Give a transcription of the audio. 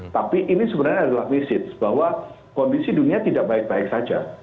tapi ini sebenarnya adalah visit bahwa kondisi dunia tidak baik baik saja